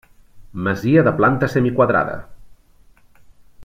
Masia de planta semi quadrada.